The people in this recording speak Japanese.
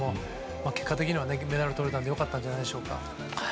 結果的には銀メダルとれたので良かったんじゃないでしょうか。